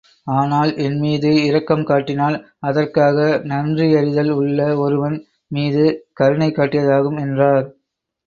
ஆனால், என் மீது இரக்கம் காட்டினால் அதற்காக நன்றியறிதல் உள்ள ஒருவன் மீது கருணை காட்டியதாகும் என்றார்.